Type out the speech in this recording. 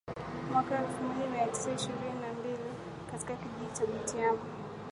mwaka elfu moja mia tisa ishirini na mbili katika kijiji cha Butiama